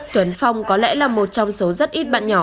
tuấn phong có lẽ là một trong số rất ít bạn nhỏ